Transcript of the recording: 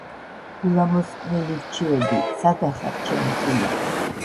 გულამოსკვნილიი ვჩიოდი სადა ხარ ჩემო სულიკო